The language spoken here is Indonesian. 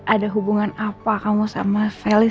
ada hubungan apa kamu sama feli